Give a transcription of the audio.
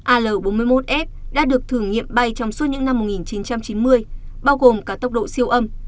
al bốn mươi một f đã được thử nghiệm bay trong suốt những năm một nghìn chín trăm chín mươi bao gồm cả tốc độ siêu âm